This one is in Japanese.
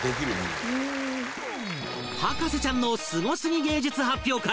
博士ちゃんのスゴすぎ芸術発表会